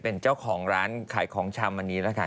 เป็นเจ้าของร้านขายของชำอันนี้นะคะ